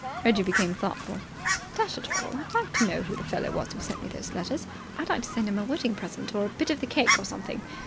Reggie became thoughtful. "Dash it all! I'd like to know who the fellow was who sent me those letters. I'd like to send him a wedding present or a bit of the cake or something.